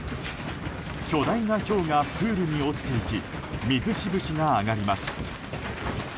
巨大なひょうがプールに落ちていき水しぶきが上がります。